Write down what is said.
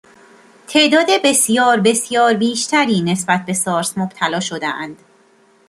تعداد بسیار بسیار بیشتری نسبت به سارس مبتلا شدهاند